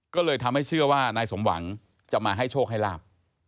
ก็เลยทำให้เชื่อว่านายสมหวังจะมาให้โชคให้ลาบ